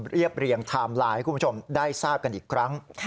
เรียบเรียงไทม์ไลน์ให้คุณผู้ชมได้ทราบกันอีกครั้ง